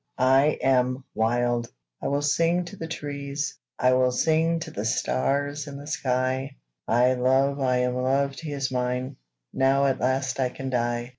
JOY I AM wild, I will sing to the trees, I will sing to the stars in the sky, I love, I am loved, he is mine, Now at last I can die!